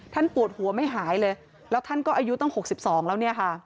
ปวดหัวไม่หายเลยแล้วท่านก็อายุตั้ง๖๒แล้วเนี่ยค่ะ